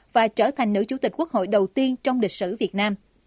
và trở thành nữ chủ tịch quốc hội đầu tiên trong lịch sử việt nam